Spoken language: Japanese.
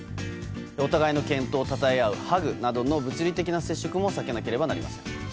お互いの健闘をたたえ合うハグなどの物理的接触も避けなければなりません。